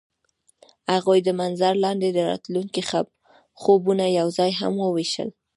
هغوی د منظر لاندې د راتلونکي خوبونه یوځای هم وویشل.